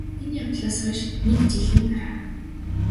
энэ явдлаас хойш НЭГ жилийн дараа